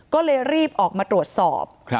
ก็เลยรีบออกมาตรวจสอบ